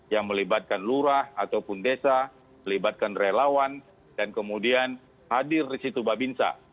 yang melibatkan lurah ataupun desa melibatkan relawan dan kemudian hadir di situ babinsa